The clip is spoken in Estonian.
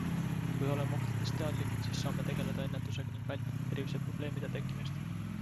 Kui oleme ohtudest teadlikud, siis saame tegeleda ennetusega ning vältida terviseprobleemide tekkimist.